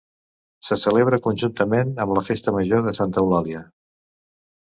Se celebra conjuntament amb la Festa Major de Santa Eulàlia.